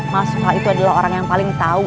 mas suha itu adalah orang yang paling tau